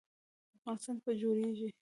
افغانستان به جوړیږي